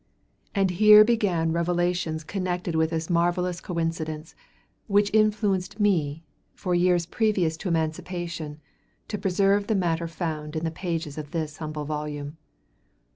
And here began revelations connected with this marvellous coincidence, which influenced me, for years previous to Emancipation, to preserve the matter found in the pages of this humble volume.